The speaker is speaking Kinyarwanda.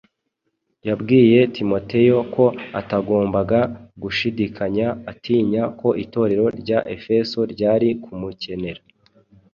Yabwiye Timoteyo ko atagombaga gushidikanya atinya ko Itorero rya Efeso ryari kumukenera